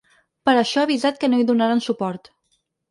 Per això ha avisat que no hi donaran suport.